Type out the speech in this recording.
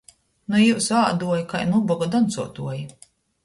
Nu jiusu āduoji kai nu uboga doncuotuoji!